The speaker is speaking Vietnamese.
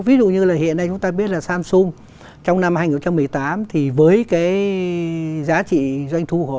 ví dụ như là hiện nay chúng ta biết là samsung trong năm hai nghìn một mươi tám thì với cái giá trị doanh thu của họ